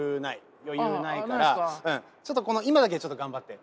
余裕ないからちょっと今だけちょっと頑張って。